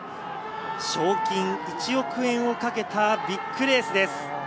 賞金１億円を懸けたビッグレースです。